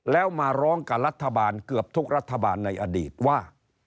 แล้วมาร้องกับรัฐบาลเกือบทุกรัฐบาลในอดีตว่า